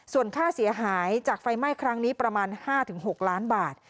ส่วนค่าเสียหายจากไฟไหม้ครั้งนี้ประมาณ๕๖ล้านบาท